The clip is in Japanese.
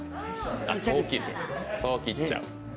あ、そう切っちゃう。